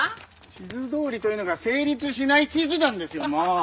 地図どおりというのが成立しない地図なんですよもう！